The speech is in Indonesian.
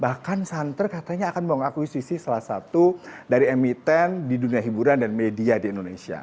bahkan santer katanya akan mengakuisisi salah satu dari emiten di dunia hiburan dan media di indonesia